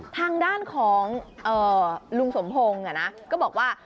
ทางด้านของลุงสมพงศ์ก็บอกว่า